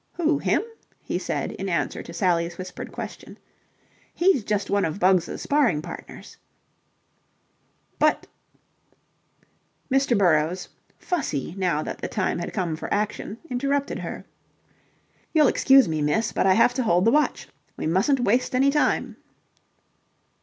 "Who him?" he said in answer to Sally's whispered question. "He's just one of Bugs' sparring partners." "But..." Mr. Burrowes, fussy now that the time had come for action, interrupted her. "You'll excuse me, miss, but I have to hold the watch. We mustn't waste any time."